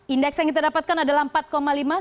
indeks yang didapatkan adalah empat lima